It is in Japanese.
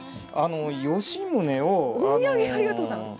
ありがとうございます。